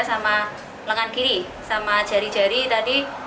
sama lengan kiri sama jari jari tadi